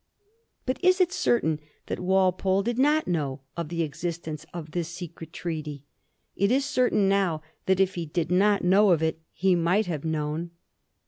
83 But is it certain that Walpole did not know of the ex istence of this secret treaty ? It is certain now that if he did not know of it he might have known.